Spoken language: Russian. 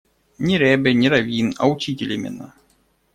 Не ребе, не раввин, а учитель именно.